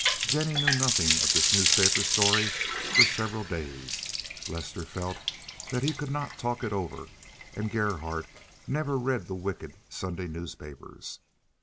Jennie knew nothing of this newspaper story for several days. Lester felt that he could not talk it over, and Gerhardt never read the wicked Sunday newspapers.